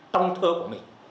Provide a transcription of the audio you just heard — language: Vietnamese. trong thơ của mình